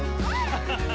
ハハハハ！